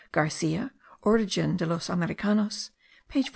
Garcia, Origen de los Americanos page 259.)